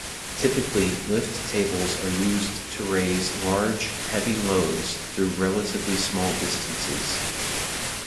Typically lift tables are used to raise large, heavy loads through relatively small distances.